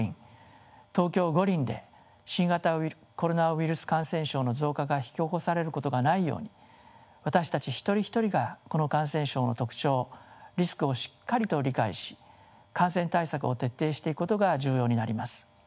東京五輪で新型コロナウイルス感染症の増加が引き起こされることがないように私たち一人一人がこの感染症の特徴リスクをしっかりと理解し感染対策を徹底していくことが重要になります。